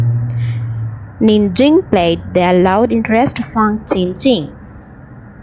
Ning Jing played their love interest Fung Ching-ching.